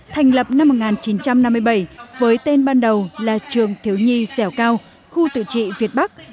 thành lập năm một nghìn chín trăm năm mươi bảy với tên ban đầu là trường thiếu nhi dẻo cao khu tự trị việt bắc